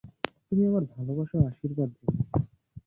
তুমি আমার ভালবাসা ও আশীর্বাদ জেনো।